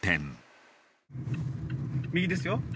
右ですよ。